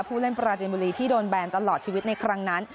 ผู้เล่นปราจินบุรีที่โดนแบนตลอดชีวิตในครั้งนั้น